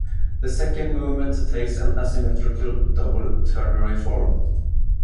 The second movement takes an asymmetrical-double-ternary form.